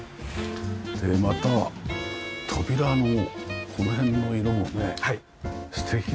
でまた扉のこの辺の色もね素敵な色でね。